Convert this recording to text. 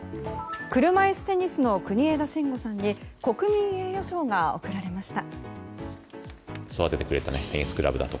車いすテニスの国枝慎吾さんに国民栄誉賞が贈られました。